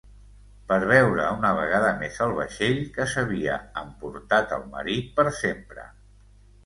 Per veure una vegada més el vaixell que s’havia emportat el marit per sempre.